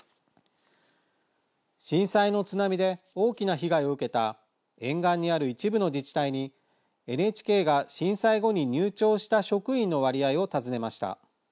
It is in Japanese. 震災の津波で大きな被害を受けた沿岸にある一部の自治体にＮＨＫが震災後に入庁した職員の割合を尋ねました。